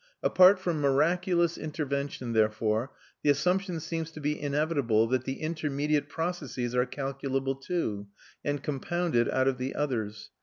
Apart from miraculous intervention, therefore, the assumption seems to be inevitable that the intermediate processes are calculable too, and compounded out of the others.